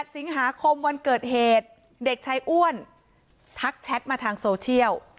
สิงหาคมวันเกิดเหตุเด็กชายอ้วนทักแชทมาทางโซเชียล